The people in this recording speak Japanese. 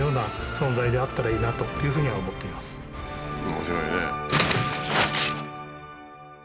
面白いね。